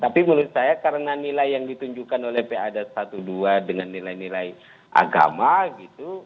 tapi menurut saya karena nilai yang ditunjukkan oleh pad satu dua dengan nilai nilai agama gitu